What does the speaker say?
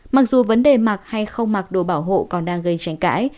mặc dù vấn đề mặc hay không mặc đồ bảo hộ còn đang gây tranh cãi